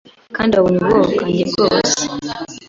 Kandi wabonye ubwoba bwanjye bwose